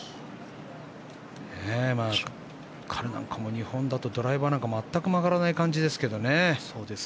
日本だとドライバーなんか全く曲がらない感じですけどね。